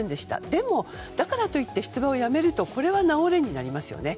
でも、だからといって出馬をやめるとこれは名折れになりますよね。